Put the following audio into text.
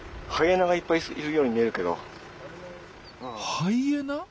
ハイエナ？